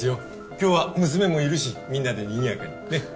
今日は娘もいるしみんなでにぎやかにねっ。